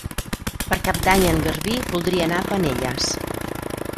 Per Cap d'Any en Garbí voldria anar a Penelles.